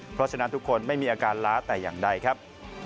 เพราะฉะนั้นทุกคนไม่มีอาการล้าแต่อย่างใดครับ